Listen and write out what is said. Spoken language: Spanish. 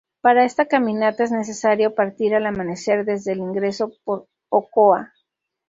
Para esta caminata es necesario partir al amanecer desde el ingreso por Ocoa.